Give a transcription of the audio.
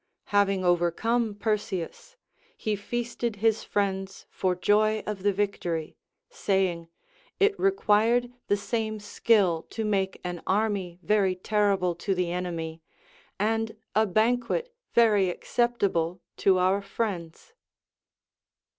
Having overcome Perseus, he feasted his friends for joy of the victory, saying, it required the same skill to make an army very terrible to the enemy, and a banquet very acceptable to our friends.